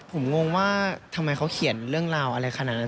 ผมงงว่าทำไมเขาเขียนเรื่องราวอะไรขนาดนั้น